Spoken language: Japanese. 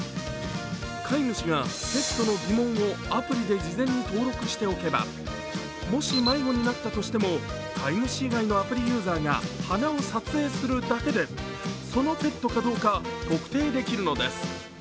飼い主がペットの鼻紋をアプリで事前に登録しておけばもし迷子になったとしても飼い主以外のアプリユーザーが鼻を撮影するだけでそのペットかどうか特定できるのです。